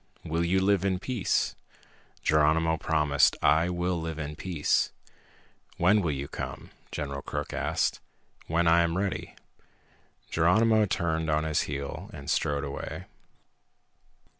"Will you live in peace?" Geronimo promised, "I will live in peace." "When will you come?" General Crook asked. "When I am ready." Geronimo turned on his heel and strode away.